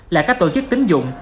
là các tổ chức tín dụng